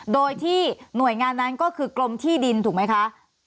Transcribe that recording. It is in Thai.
โดยที่หน่วยงานนั้นก็คือกรมที่ดินถูกไหมคะ